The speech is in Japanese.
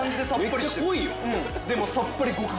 めっちゃ濃いよ？